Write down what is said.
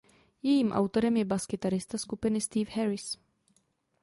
Jejím autorem je baskytarista skupiny Steve Harris.